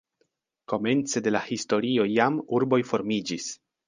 Komence de la historio jam urboj formiĝis.